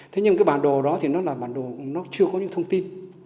thế nhưng cái bản đồ đó thì nó là bản đồ nó chưa có những thông tin